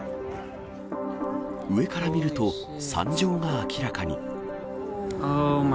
上から見ると、惨状が明らかに。